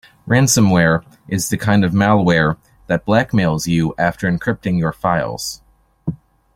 Ransomware is the kind of malware that blackmails you after encrypting your files.